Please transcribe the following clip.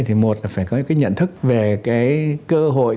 thì một là phải có cái nhận thức về cái cơ hội